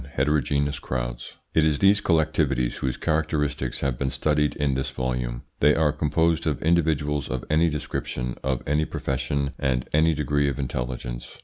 HETEROGENEOUS CROWDS It is these collectivities whose characteristics have been studied in this volume. They are composed of individuals of any description, of any profession, and any degree of intelligence.